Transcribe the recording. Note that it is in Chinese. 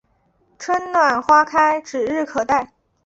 春暖花开指日可待